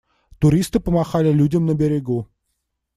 Туристы помахали людям на берегу.